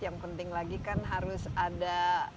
yang penting lagi kan harus ada